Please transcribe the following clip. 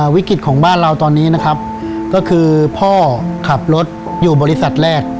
วิกฤตของบ้านเราตอนนี้นะครับก็คือพ่อขับรถอยู่บริษัทแรก